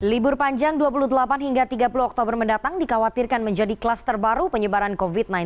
libur panjang dua puluh delapan hingga tiga puluh oktober mendatang dikhawatirkan menjadi kluster baru penyebaran covid sembilan belas